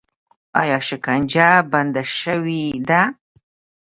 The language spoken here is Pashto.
آیا شکنجه بنده شوې ده؟